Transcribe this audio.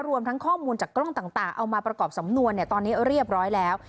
รวมทั้งข้อมูลจากกล้องต่างเอามาประกอบสำนวนตอนนี้เรียบร้อยแล้ว